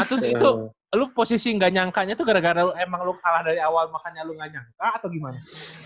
terus itu lo posisi nggak nyangkanya tuh gara gara lu kalah dari awal makanya lu gak nyangka atau gimana